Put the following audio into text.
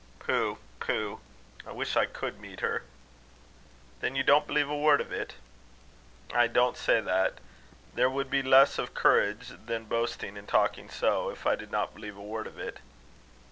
"Pooh! pooh! I wish I could meet her!" "Then you don't believe a word of it?" "I don't say that. There would be less of courage than boasting in talking so, if I did not believe a word of it."